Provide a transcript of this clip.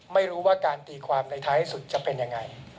ไม่รู้ว่าการตีความในท้ายสุดจะเป็นยังไง